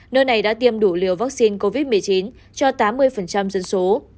nơi này đã tiêm đủ liều vaccine covid một mươi chín cho tám mươi dân số